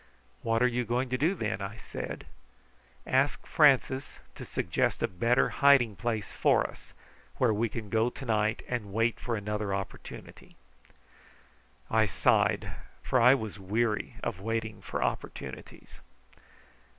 "What are you going to do, then?" I said. "Ask Francis to suggest a better hiding place for us, where we can go to night and wait for another opportunity." I sighed, for I was weary of waiting for opportunities.